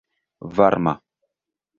varma